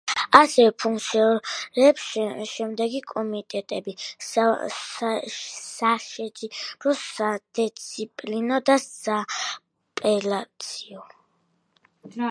ასევე ფუნქციონირებს შემდეგი კომიტეტები: საშეჯიბრო, სადისციპლინო და სააპელაციო.